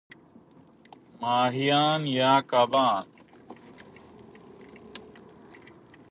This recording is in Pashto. ماهیان √ کبان